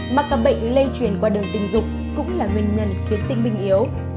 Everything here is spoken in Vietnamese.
mà các bệnh lây chuyển qua đường tình dục cũng là nguyên nhân khiến tinh bình yếu